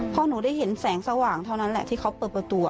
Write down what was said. พอหนูได้เห็นแสงสว่างเท่านั้นแหละที่เขาเปิดประตู